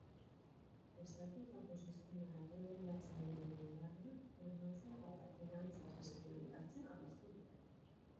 Estatuetako sistema erregulatzaileen indarra bermatzea eta finantza sistema indartzea adostu dute.